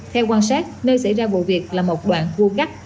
theo quan sát nơi xảy ra vụ việc là một đoạn vu cắt